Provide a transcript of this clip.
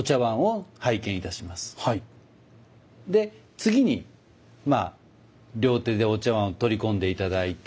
で次に両手でお茶碗を取り込んで頂いて。